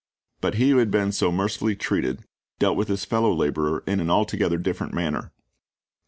But he who had been so mercifully treated, dealt with his fellow laborer in an altogether different manner.